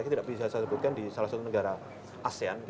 kita tidak bisa saya sebutkan di salah satu negara asean